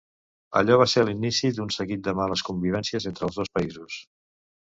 Allò va ser l'inici d'un seguit de males convivències entre els dos països.